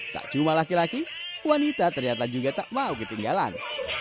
tak cuma laki laki wanita ternyata juga tak mau ketinggalan